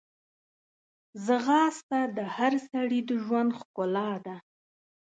ځغاسته د هر سړي د ژوند ښکلا ده